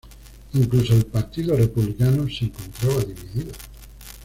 Incluso el "partido republicano" se encontraba dividido.